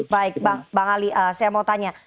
oke oke baik bang ali saya mau tanya